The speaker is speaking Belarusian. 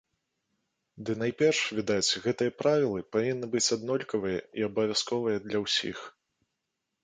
Ды найперш, відаць, гэтыя правілы павінны быць аднолькавыя і абавязковыя для ўсіх.